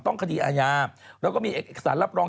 คดีอาญาแล้วก็มีเอกสารรับรอง